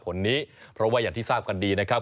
คนนี้เพราะว่าอย่างที่ทราบกันดีนะครับ